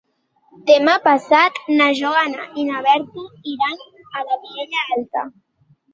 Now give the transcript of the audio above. Demà passat na Joana i na Berta iran a la Vilella Alta.